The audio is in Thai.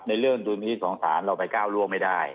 ในเรื่องธุรกิจของศาลเราไปก้าวร่วงไม่ได้